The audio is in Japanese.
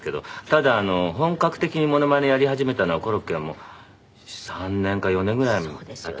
ただ本格的にモノマネをやり始めたのはコロッケはもう３年か４年ぐらいだと思いますけど。